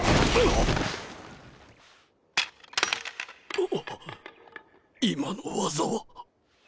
あぁ今の技は。